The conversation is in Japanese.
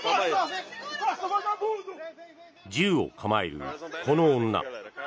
銃を構える、この女。